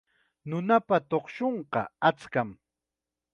Nunapa tuqshunqa achkam.